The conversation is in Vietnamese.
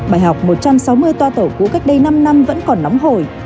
bài học một trăm sáu mươi toa tàu cũ cách đây năm năm vẫn còn nóng hồi